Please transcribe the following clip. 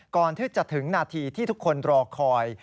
ก่อนที่จะถึงนาทีที่ทุกคนรอคอย